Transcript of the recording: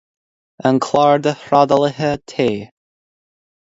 An Clár de Thrádálaithe Tae.